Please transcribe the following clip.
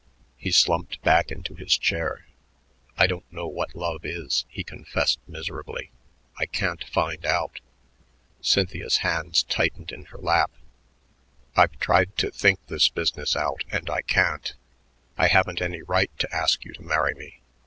He slumped back into his chair. "I don't know what love is," he confessed miserably. "I can't find out." Cynthia's hands tightened in her lap. "I've tried to think this business out, and I can't. I haven't any right to ask you to marry me.